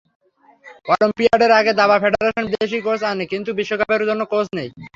অলিম্পিয়াডের আগে দাবা ফেডারেশন বিদেশি কোচ আনে, কিন্তু বিশ্বকাপের জন্য কোচ নেই।